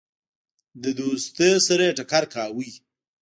د دوستی سره یې ټکر کاوه.